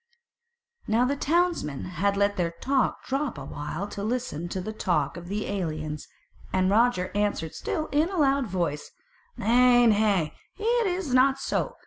Now the townsmen had let their talk drop a while to listen to the talk of the aliens; and Roger answered still in a loud voice: "Nay, nay, it is not so.